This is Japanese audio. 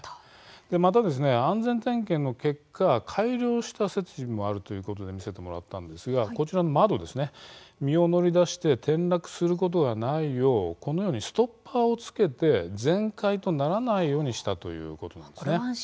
また、安全点検の結果改良した設備もあるということで見せてもらったんですがこちらの窓、身を乗り出して転落することがないようこのようにストッパーをつけて全開にならないようにしたということなんです。